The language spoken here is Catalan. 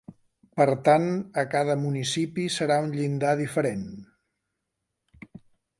Per tant, a cada municipi serà un llindar diferent.